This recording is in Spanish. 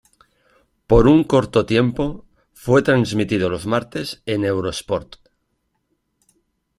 Por un corto tiempo, fue transmitido los martes en Eurosport.